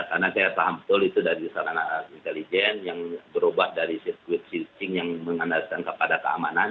karena saya paham betul itu dari sarana intelijen yang berubah dari sirkuit switching yang mengandalkan kepada keamanan